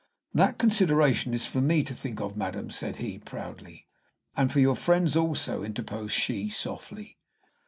"That consideration is for me to think of, madam," said he, proudly. "And for your friends also," interposed she, softly.